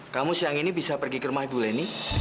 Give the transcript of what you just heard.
kamu siang ini bisa pergi ke rumah ibu leni